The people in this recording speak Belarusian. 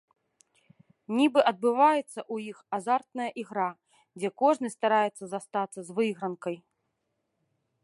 Нібы адбываецца ў іх азартная ігра, дзе кожны стараецца застацца з выйгранкай.